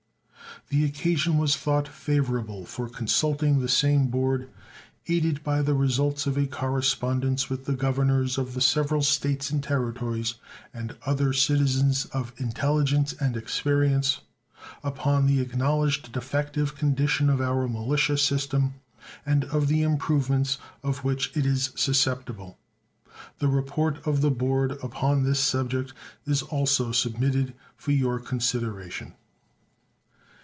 The occasion was thought favorable for consulting the same board, aided by the results of a correspondence with the governors of the several States and Territories and other citizens of intelligence and experience, upon the acknowledged defective condition of our militia system, and of the improvements of which it is susceptible. The report of the board upon this subject is also submitted for your consideration.